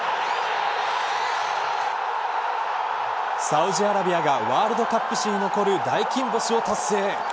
サウジアラビアがワールドカップ史に残る大金星を達成。